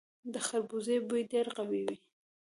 د خربوزې بوی ډیر قوي وي.